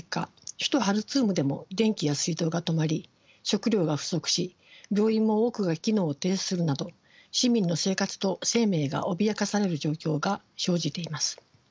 首都ハルツームでも電気や水道が止まり食料が不足し病院も多くが機能を停止するなど市民の生活と生命が脅かされる状況が生じています。